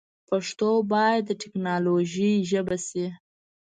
پښتو باید د ټیکنالوجۍ ژبه شي.